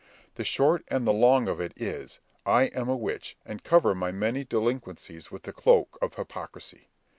The short and the long of it is, I am a witch, and cover my many delinquencies with the cloak of hypocrisy.